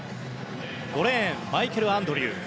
５レーンマイケル・アンドリュー。